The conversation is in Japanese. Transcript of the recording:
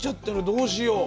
どうしよう？